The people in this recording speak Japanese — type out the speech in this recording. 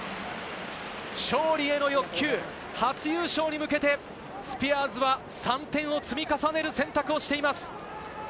勝利への欲求、初優勝に向けて、スピアーズは３点を積み重ねる選択をしています。